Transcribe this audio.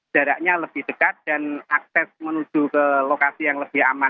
jaraknya lebih dekat dan akses menuju ke lokasi yang lebih aman